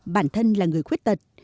bản thân là người khuyết tật